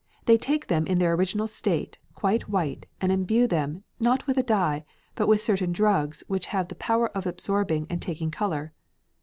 They take them in their original state, quite white, and imbue them, not with a dye, but with certain drugs which have the power of absorbing and taking colour.